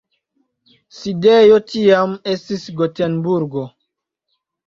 Sidejo tiam estis Gotenburgo.